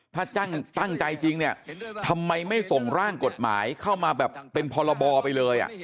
ถ้าตั้งใจจริงเนี่ยทำไมไม่ส่งร่างกฎหมายเข้ามาแบบเป็นพรบไปเลย